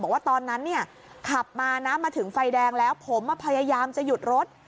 บอกว่าตอนนั้นเนี่ยขับมานะมาถึงไฟแดงแล้วผมพยายามจะหยุดรถ